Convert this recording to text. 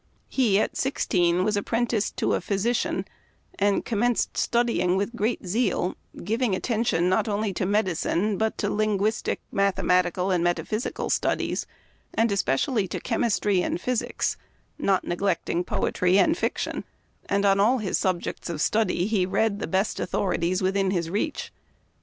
He at sixteen was apprenticed to a physician, and commenced studying with great zeal, giving attention not only to medicine, but to lin guistic, mathematical, and metaphysical studies, and especially to chemistry and physics, not neglecting poetry and fiction ; and on all his subjects of study he read the best authorities within his reach.